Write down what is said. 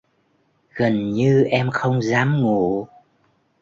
Gần như em không dám ngủ